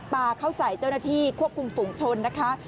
ปลาเข้าใส่เจ้าหน้าที่ควบคุมฝุงชนนะคะ